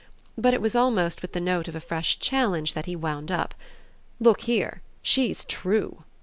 But it was almost with the note of a fresh challenge that he wound up: "Look here, she's TRUE!"